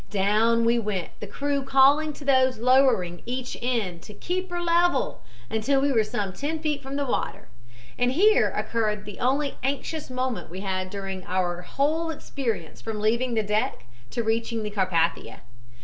Down we went, the crew calling to those lowering each end to 'keep her level,' until we were some ten feet from the water, and here occurred the only anxious moment we had during the whole of our experience from leaving the deck to reaching the Carpathia.